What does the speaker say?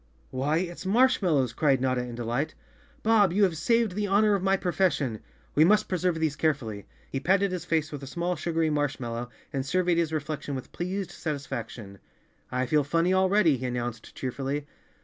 "Why, it's marshmallows!" cried Notta in delight. "Bob, you have saved the honor of my profession. We must preserve these carefully." He patted his face with a small sugary marshmallow and surveyed his reflection 67 The Cowardly Lion of Oz _ with pleased satisfaction. "I feel funny already," he announced cheerfully.